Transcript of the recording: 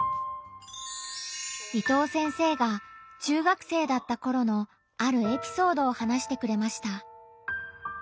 伊藤先生が中学生だったころのあるエピソードを話してくれました。